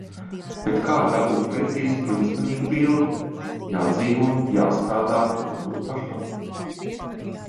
Bet kā dabūt precīzu pilnskanīgu bildi? Jādzīvo, jāstrādā, jābūt pašam.